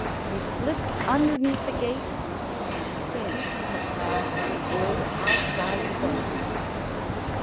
He slipped underneath the gate, and was safe at last in the wood outside the garden.